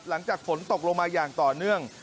หลังจากฝนตกลงมาอย่างต่อเนื่อง